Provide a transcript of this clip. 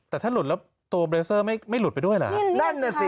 แต่ถ้าหลุดแล้วตัวเบรเซอร์ไม่หลุดไปด้วยเหรอนั่นน่ะสิ